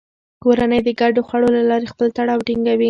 کورنۍ د ګډو خوړو له لارې خپل تړاو ټینګوي